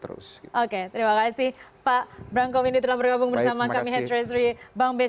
terima kasih pak branko windy telah bergabung bersama kami di h tiga h tiga bank bca